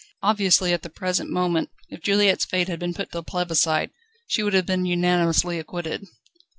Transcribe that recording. Obviously at the present moment, if Juliette's fate had been put to the plebiscite, she would have been unanimously acquitted.